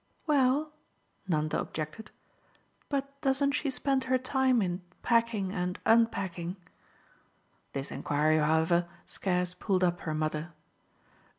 "Well," Nanda objected, "but doesn't she spend her time in packing and unpacking?" This enquiry, however, scarce pulled up her mother.